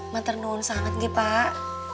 mbak ternun sangat nih pak